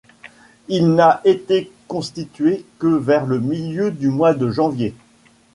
Il n'a été constitué que vers le milieu du mois de janvier.